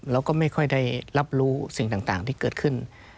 เราก็ไม่ค่อยได้รับรู้สิ่งต่างที่เกิดขึ้น